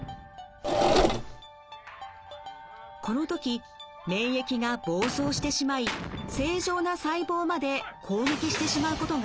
この時免疫が暴走してしまい正常な細胞まで攻撃してしまうことがあります。